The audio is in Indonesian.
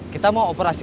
kita mau operasi